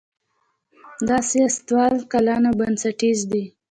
دا سیاستونه کلان او بنسټیز دي.